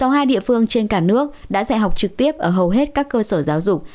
sáu hai địa phương trên cả nước đã dạy học trực tiếp ở hầu hết các cơ sở giáo dục